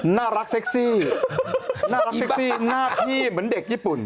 น่ารักเซ็กซี่น่าพี่เหมือนเด็กญี่ปุ่น